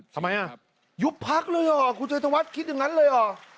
ทำไมยัยยุบภักดิ์เลยคู่โจรตะวัดคิดอย่างนั้นเลย